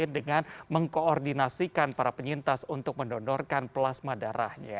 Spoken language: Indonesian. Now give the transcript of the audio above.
dengan mengkoordinasikan para penyintas untuk mendonorkan plasma darahnya